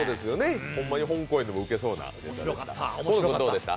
ホンマに本公演でも受けそうなネタでした。